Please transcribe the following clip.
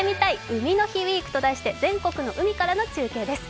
海の日ウイークと題して、全国の海からの中継です。